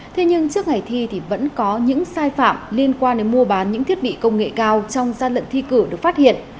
thế nhưng trước ngày thi thì vẫn có những sai phạm liên quan đến mua bán những thiết bị công nghệ cao trong gian lận thi cử được phát hiện